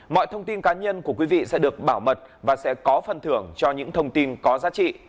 mọi thông tin cá nhân của quý vị sẽ được bảo mật và sẽ có phần thưởng cho những thông tin có giá trị